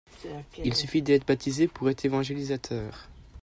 Il suffit d'être baptisé pour être évangélisateur.